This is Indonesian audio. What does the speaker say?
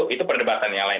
itu perdebatan yang lain